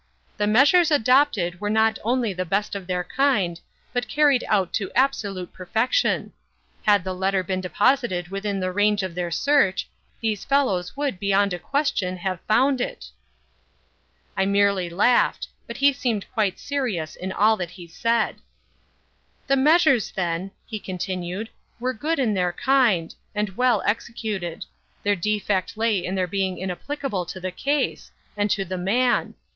"The measures adopted were not only the best of their kind, but carried out to absolute perfection. Had the letter been deposited within the range of their search, these fellows would, beyond a question, have found it." I merely laughed—but he seemed quite serious in all that he said. "The measures, then," he continued, "were good in their kind, and well executed; their defect lay in their being inapplicable to the case, and to the man.